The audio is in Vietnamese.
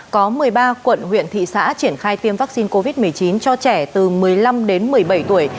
có một mươi ba quận huyện thị xã triển khai tiêm vaccine covid một mươi chín cho trẻ từ một mươi năm đến một mươi bảy tuổi